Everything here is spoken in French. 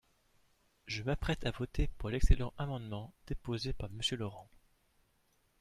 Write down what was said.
Je m’apprête à voter pour l’excellent amendement déposé par Monsieur Laurent.